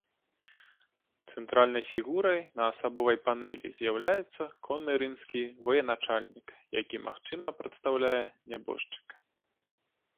Цэнтральнай фігурай на асабовай панэлі з'яўляецца конны рымскі военачальнік, які, магчыма, прадстаўляе нябожчыка.